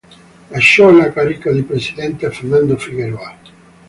Lasciò la carica di presidente a Fernando Figueroa.